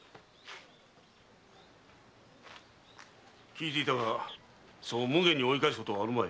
聞いていたがそう無下に追い返すことはあるまい。